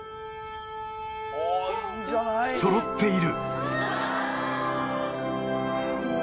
そろっている。